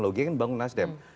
logi yang dibangun nasdem